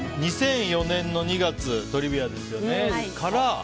２００４年の２月「トリビア」ですよね。